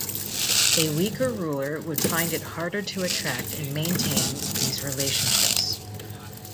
A weaker ruler would find it harder to attract and maintain these relationships.